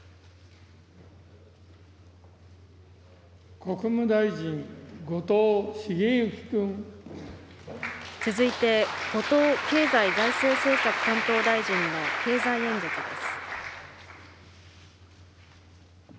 国務大臣、続いて、後藤経済財政政策担当大臣の経済演説です。